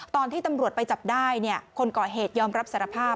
ตอนที่ตำรวจไปจับได้คนก่อเหตุยอมรับสารภาพ